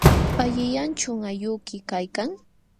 ¿Allinllachum aylluyki kaykan?